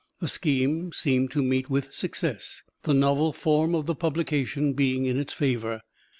The scheme seemed to meet with success, the novel form of the publication being in its favor.